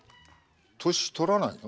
年取らないの？